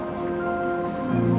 makasih nih fa